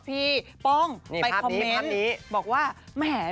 พี่ป้องภ์ไปคอมเม้นต์